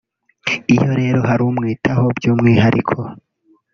Iyo rero hari umwitaho byumwihariko